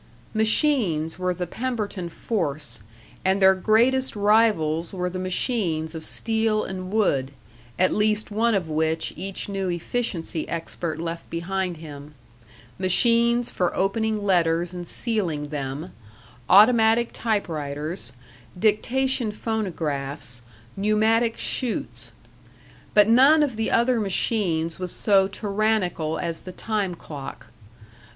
Machines were the Pemberton force, and their greatest rivals were the machines of steel and wood, at least one of which each new efficiency expert left behind him: Machines for opening letters and sealing them, automatic typewriters, dictation phonographs, pneumatic chutes. But none of the other machines was so tyrannical as the time clock.